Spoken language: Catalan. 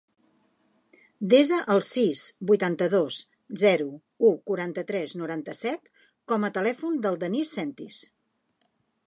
Desa el sis, vuitanta-dos, zero, u, quaranta-tres, noranta-set com a telèfon del Denís Sentis.